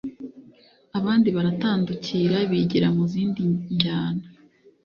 abandi baratandukira bigira mu zindi njyana